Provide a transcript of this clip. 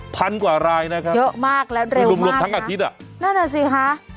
พันกว่ารายนะครับทั้งอาทิตย์อะนะน่าสิคะ